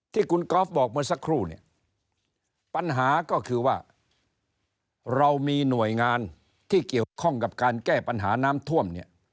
ที่คุณกอล์ฟบอกเมื่อสักครู่เนี่ยปัญหาก็คือว่าเรามีหน่วยงานที่เกี่ยวข้องกับการแก้ปัญหาน้ำท่วมเนี่ย